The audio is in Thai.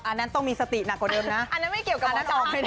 อันนั้นต้องมีสติหนักกว่าเดิมนะอันนั้นไม่เกี่ยวกันนะ